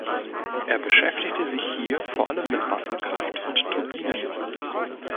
Er beschäftigte sich hier vor allem mit Wasserkraft und Turbinen.